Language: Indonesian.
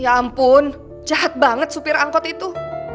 ya ampun jahat banget supir angkot itu